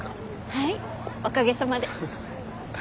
はいおかげさまで。